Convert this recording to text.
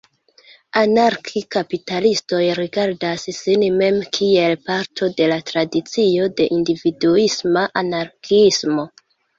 Anarki-kapitalistoj rigardas sin mem kiel parto de la tradicio de individuisma anarkiismo.